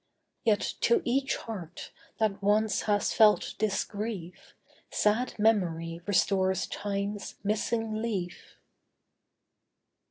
Yet to each heart, that once has felt this grief, Sad Memory restores Time's missing leaf.